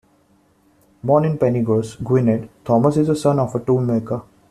Born in Penygroes, Gwynedd, Thomas is the son of a toolmaker.